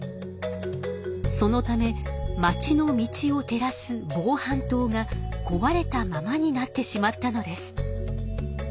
そのためまちの道をてらす防犯灯がこわれたままになってしまったのです。